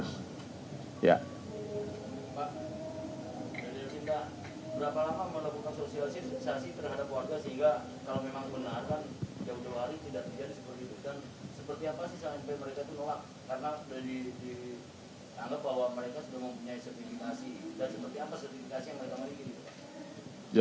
berapa lama menegurkan sosialisasi terhadap warga sehingga